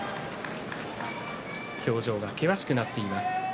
表情が険しくなっています。